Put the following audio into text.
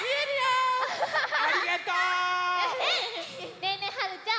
ねえねえはるちゃん。